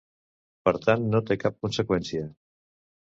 Per tant, no té cap conseqüència.